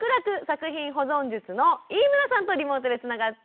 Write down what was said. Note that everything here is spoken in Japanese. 作品保存術！」の飯村さんとリモートでつながっています。